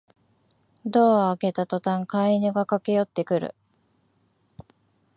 ドアを開けたとたん飼い犬が駆けよってくる